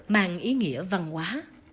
mang ý nghĩa văn hóa